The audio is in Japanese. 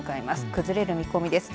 崩れる見込みです。